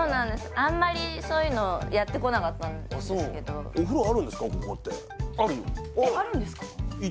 あんまりそういうのやってこなかったんですけどここってえっあるんですか？